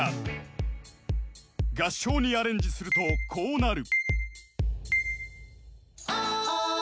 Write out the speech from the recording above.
［合唱にアレンジするとこうなる］